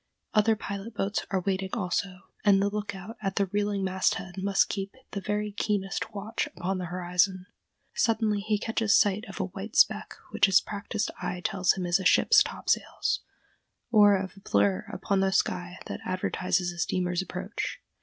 Other pilot boats are waiting also, and the lookout at the reeling mast head must keep the very keenest watch upon the horizon. Suddenly he catches sight of a white speck which his practised eye tells him is a ship's top sails, or of a blur upon the sky that advertises a steamer's approach.